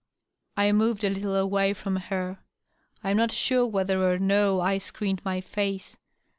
.. I moved a little away from her. I am not sure whether or no I screened my face.